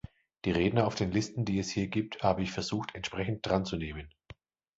Die Redner auf den Listen, die es hier gibt, habe ich versucht, entsprechend dranzunehmen.